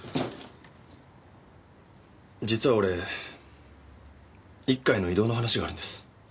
実は俺一課への異動の話があるんです。